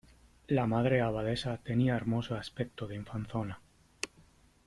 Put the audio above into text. la Madre Abadesa tenía hermoso aspecto de infanzona :